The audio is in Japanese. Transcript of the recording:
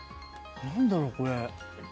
何だろこれ？